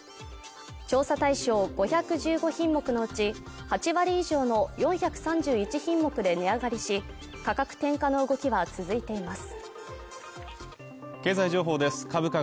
調査対象５１５品目のうち、８割以上の４３１品目で値上がりし、価格転嫁の動きは続いています。